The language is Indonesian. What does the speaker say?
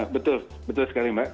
betul betul sekali mbak